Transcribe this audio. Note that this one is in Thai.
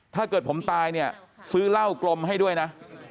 ถ้าเกิดผมตายเนี่ยซื้อเหล้ากลมให้ด้วยนะ